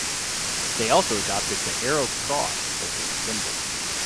They also adopted the Arrow Cross as their symbol.